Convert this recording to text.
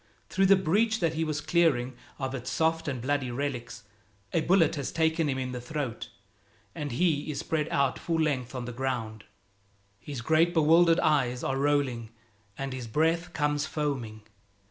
Through the breach that he was clearing of its soft and bloody relics, a bullet has taken him in the throat, and he is spread out full length on the ground. His great bewildered eyes are rolling and his breath comes foaming.